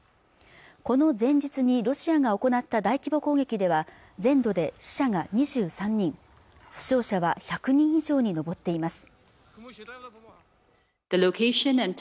この前日にロシアが行った大規模攻撃では全土で死者が２３人負傷者は１００人以上に上っています